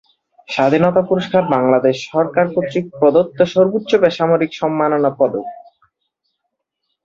স্বাধীনতা পুরস্কার বাংলাদেশ সরকার কর্তৃক প্রদত্ত সর্বোচ্চ বেসামরিক সম্মাননা পদক।